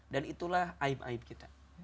dan itulah aib aib kita